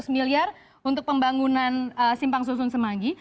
lima ratus miliar untuk pembangunan simpang susun semanggi